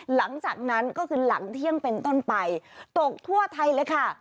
หลังจากนั้นก็คือหลังเที่ยงเป็นต้นไปตกทั่วไทยเลยค่ะ